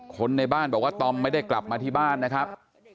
คนในบ้านบอกว่าตอมไม่ได้กลับมาที่บ้านนะครับ